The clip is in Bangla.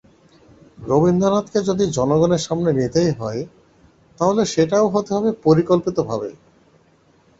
রবীন্দ্রনাথকে যদি জনগণের সামনে নিতেই হয়, তাহলে সেটাও হতে হবে পরিকল্পিতভাবে।